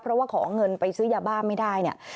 เพราะว่าขอเงินไปซื้อยาบ้าไม่ได้เนี่ย